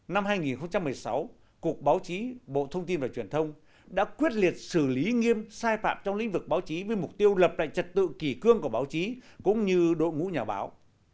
năm hai nghìn một mươi sáu cục báo chí bộ thông tin và truyền thông đã quyết liệt xử lý nghiêm sai phạm trong lĩnh vực báo chí với mục tiêu lập lại trật tự kỳ cương của báo chí cũng như đội ngũ nhà báo